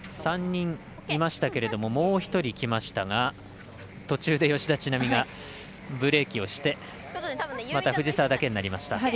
３人いましたけれどもう１人来ましたが途中で吉田知那美がブレーキをしてまた藤澤だけになりました。